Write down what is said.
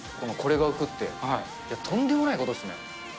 これが浮くって、とんでもないことっすね。